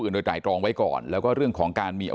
มีรถกระบะจอดรออยู่นะฮะเพื่อที่จะพาหลบหนีไป